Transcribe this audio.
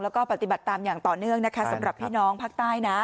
แล้วก็ปฏิบัติตามอย่างต่อเนื่องนะคะสำหรับพี่น้องภาคใต้นะ